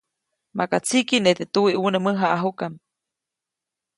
Maka tsikiʼne teʼ tuwiʼune mäjaʼajuʼkam.